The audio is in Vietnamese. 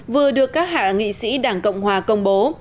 vừa được các hạ nghị sĩ đảng cộng hòa công bố